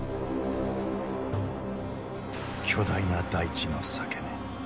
巨大な大地の裂け目。